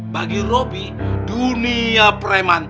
bagi robi dunia preman